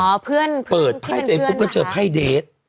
อ๋อเพื่อนที่เป็นเพื่อนนะคะเปิดไพ่ตัวเองปุ๊บแล้วเจอไพ่เดท